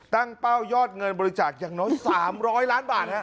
เป้ายอดเงินบริจาคอย่างน้อย๓๐๐ล้านบาท